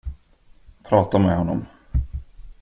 Prata med honom.